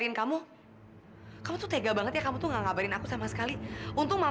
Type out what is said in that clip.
sampai jumpa di video selanjutnya